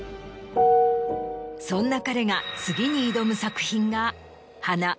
そんな彼が次に挑む作品が。